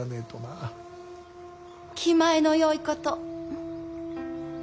気前のよいこと。